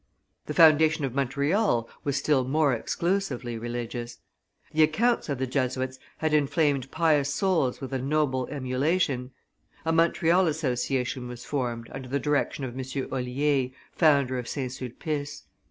The foundation of Montreal was still more exclusively religious. The accounts of the Jesuits had inflamed pious souls with a noble emulation; a Montreal association was formed, under the direction of M. Olier, founder of St. Sulpice.